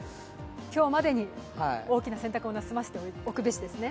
今日までに大きな洗濯物は済ませておくべしですね。